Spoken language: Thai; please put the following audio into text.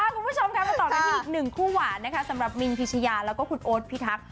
คุณผู้ชมมาต่อกันอีก๑คู่หวานสำหรับมินพีชายาแล้วก็คุณโอ๊ตพีทัก